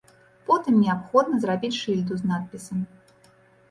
Потым неабходна зрабіць шыльду з надпісам.